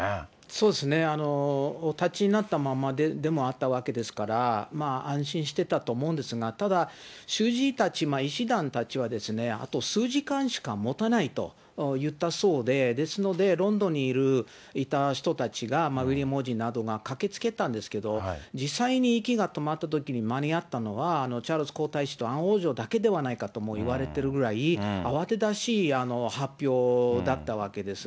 そうですね、お立ちになったままでもあったわけですから、安心してたと思うんですが、ただ主治医たち、医師団たちは、あと数時間しかもたないと言ったそうで、ですので、ロンドンにいた人たちがウィリアム王子などが駆けつけたんですけれども、実際に息が止まったときに間に合ったのは、チャールズ皇太子とアン王女だけではないかともいわれてるぐらい、慌ただしい発表だったわけです。